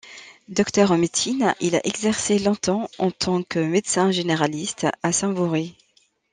Docteur en médecine, il a exercé longtemps en tant que médecin généraliste à Saint-Vaury.